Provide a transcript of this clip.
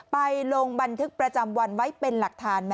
ลงบันทึกประจำวันไว้เป็นหลักฐาน